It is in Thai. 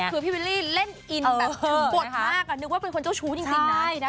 คือพี่วิลลี่เล่นอินแบบถึงบทมากนึกว่าเป็นคนเจ้าชู้จริงได้นะ